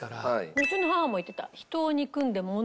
うちの母も言ってた。